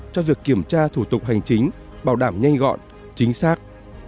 cho việc kiểm tra thủ tục hành chính bảo đảm nhanh gọn chính xác